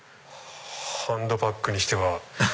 ハンドバッグにしては。